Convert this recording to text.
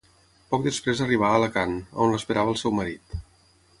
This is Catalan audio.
Poc després arribà a Alacant, on l'esperava el seu marit.